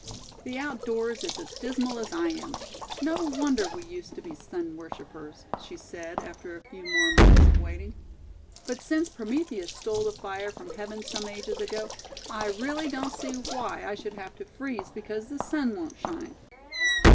"The outdoors is as dismal as I am, no wonder we used to be sun worshipers," she said after a few more minutes of waiting; "but since Prometheus stole the fire from heaven some ages ago, I really don't see why I should have to freeze because the sun won't shine."